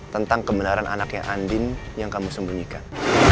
tentang kebenaran anaknya andin yang kamu sembunyikan